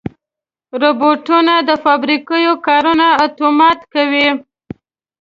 روبوټونه د فابریکو کارونه اتومات کوي.